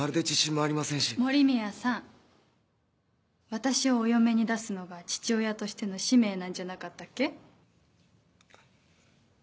私をお嫁に出すのが父親としての使命なんじゃなかったっけ？